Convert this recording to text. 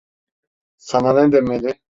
Sana ne demeli?